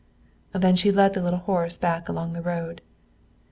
Then she led the little horse back along the road.